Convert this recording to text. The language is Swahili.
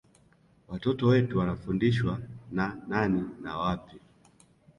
Watoto wetu wanafundishwa na nani na wapi